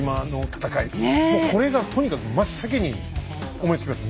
もうこれがとにかく真っ先に思いつきます。